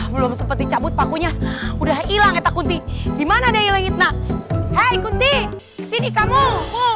kamu seperti cabut pakunya udah hilang kita kunti dimana dia ilang hitna hai kunti sini kamu mau